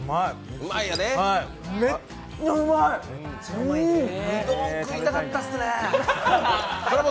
うどん食いたかったっすね。